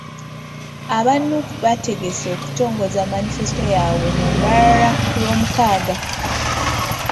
Aba Nuupu bategese okutongoza Manifesito yaabwe mu Mbarara ku Lwomukaaga.